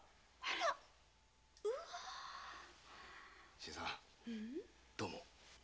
新さんどうも。